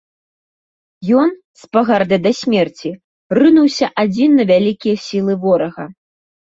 Ён, з пагардай да смерці, рынуўся адзін на вялікія сілы ворага.